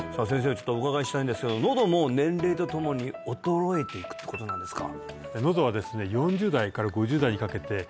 ちょっとお伺いしたいんですけどのども年齢とともに衰えていくってことなんですか？